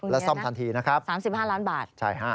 และซ่อมทันทีนะครับ๓๕ล้านบาท